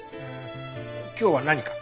今日は何か？